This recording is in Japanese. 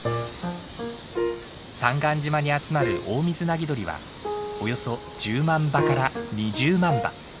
三貫島に集まるオオミズナギドリはおよそ１０万羽から２０万羽。